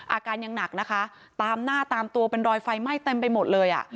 อาการยังหนักนะคะตามหน้าตามตัวเป็นรอยไฟไหม้เต็มไปหมดเลยอ่ะ